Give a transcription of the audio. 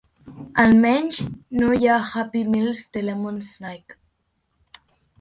Almenys no hi ha Happy Meals de Lemony Snicket.